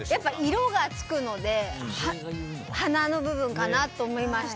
色がつくので花の部分かなと思いました。